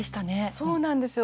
そうなんですよ。